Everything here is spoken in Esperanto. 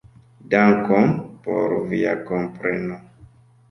Dankon por via kompreno.